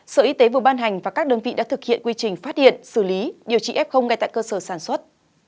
sở y tế vừa ban hành và các đơn vị đã thực hiện quy trình phát hiện xử lý điều trị f ngay tại cơ sở sản xuất